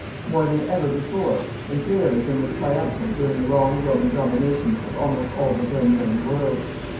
More than ever before, Imperialism was triumphant during the long Roman domination of almost all the then known world.